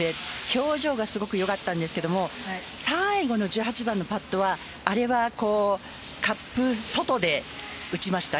表情がすごくよかったんですが最後の１８番のパットはカップ外で打ちました？